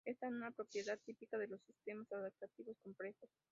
Esta es una propiedad típica de los sistemas adaptativos complejos.